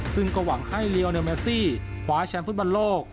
ซึ่งก็หวังให้ลีโอเลเมซี่คว้าแชมป์ฟุตบอลโลก